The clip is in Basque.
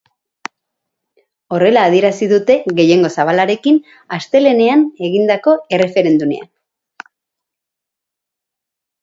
Horrela adierazi dute, gehiengo zabalarekin, astelehenean egindako erreferendumean.